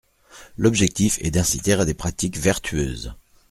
L’objectif est d’inciter à des pratiques vertueuses.